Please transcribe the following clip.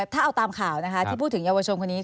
ถ้าเอาตามข่าวนะคะที่พูดถึงเยาวชนคนนี้